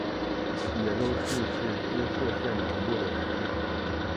野洲市是滋贺县南部的市。